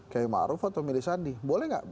kayak ma'ruf atau milih sandi boleh nggak